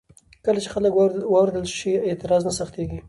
کله چې خلک واورېدل شي، اعتراض نه سختېږي.